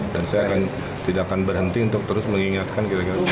dan saya tidak akan berhenti untuk terus mengingatkan